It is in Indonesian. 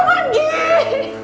suruh orang itu pergi